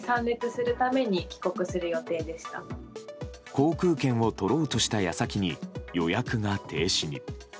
航空券を取ろうとした矢先に予約が停止に。